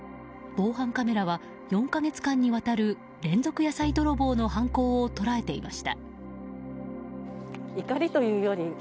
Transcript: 防犯カメラは４か月間にわたる連続野菜泥棒の犯行を捉えていました。